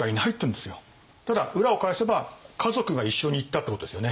ただ裏を返せば家族が一緒に行ったってことですよね。